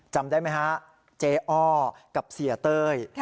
จำได้ไหมฮะเจ๊อ้อกับเสียเต้ย